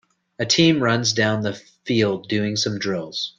A team runs down the field doing some drills.